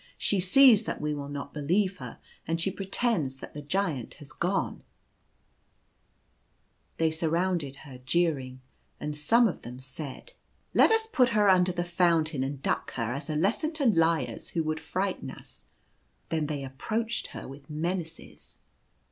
she sees that we will not believe her, and she pretends that the Giant has gone/' They surrounded her, jeering, and some of them said, " Let us put her under the fountain and duck her, as a lesson to liars who would frighten us." Then they approached her with menaces.